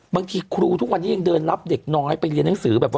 บางทีครูทุกวันนี้ยังเดินรับเด็กน้อยไปเรียนหนังสือแบบว่า